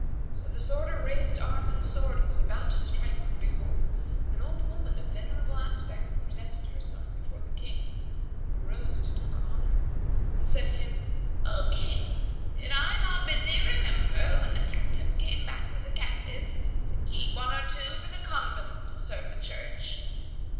So the sworder raised arm and sword, and was about to strike when behold, an old woman of venerable aspect presented herself before the King, who rose to do her honour, and said to him, "O King, did I not bid thee remember, when the Captain came back with captives, to keep one or two for the convent, to serve in the church?"